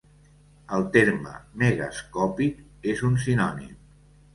El terme "megascòpic" és un sinònim.